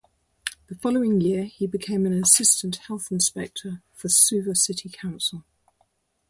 The following year he became an assistant health inspector for Suva City Council.